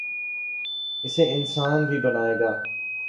، اسے انسان بھی بنائے گا۔